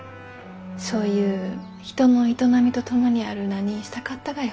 そういう人の営みと共にある名にしたかったがよ。